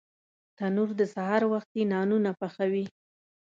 تنور د سهار وختي نانونه پخوي